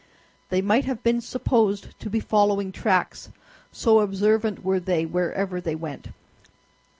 They might have been supposed to be following tracks, so observant were they wherever they went.